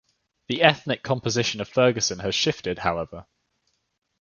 The ethnic composition of Ferguson has shifted, however.